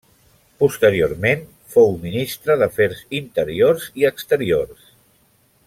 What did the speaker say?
Posteriorment fou Ministre d'Afers Interiors i Exteriors.